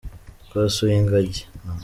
Twasuye ingagi.